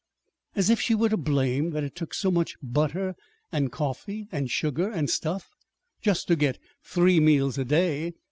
As if she were to blame that it took so much butter and coffee and sugar and stuff just to get three meals a day!